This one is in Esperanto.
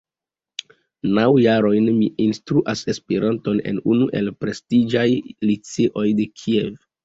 Naŭ jarojn mi instruas Esperanton en unu el prestiĝaj liceoj de Kiev.